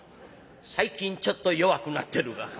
最近ちょっと弱くなってるが。